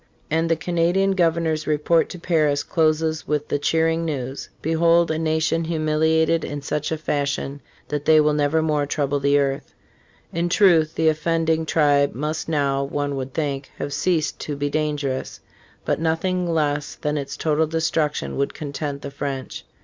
And the Canadian governor's report to Paris closes with the cheering news : "Behold a nation humiliated in such a fash ion that they will nevermore trouble the earth." In truth " the offending tribe must now, one would think, have ceased to be dangerous," but nothing less than its total destruction would content the French.